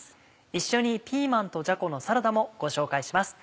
一緒に「ピーマンとじゃこのサラダ」もご紹介します。